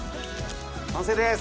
完成です。